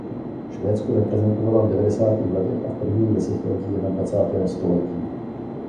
Švédsko reprezentovala v devadesátých letech a v prvním desetiletí jednadvacátého století.